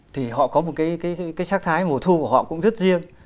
thì họ có một cái sắc thái mùa thu của họ cũng rất riêng